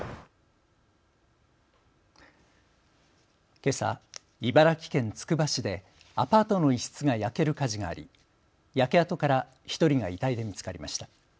けさ、茨城県つくば市でアパートの一室が焼ける火事があり、焼け跡から１人が遺体で見つかりました。